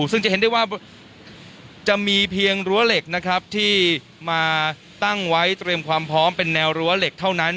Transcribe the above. ซึ่งจะเห็นได้ว่าจะมีเพียงรั้วเหล็กนะครับที่มาตั้งไว้เตรียมความพร้อมเป็นแนวรั้วเหล็กเท่านั้น